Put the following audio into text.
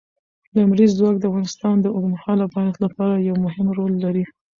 لمریز ځواک د افغانستان د اوږدمهاله پایښت لپاره یو مهم رول لري.